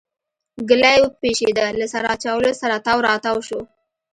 ګلی وپشېده له سر اچولو سره تاو راتاو شو.